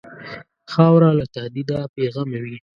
خاوره له تهدیده بېغمه وي.